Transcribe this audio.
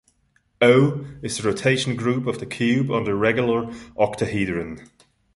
"O" is the rotation group of the cube and the regular octahedron.